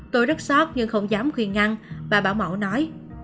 tôi rất sót nhưng không dám khuyên ngăn bảo mẫu nói